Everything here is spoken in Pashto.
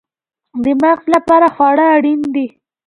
د مغز لپاره خواړه اړین دي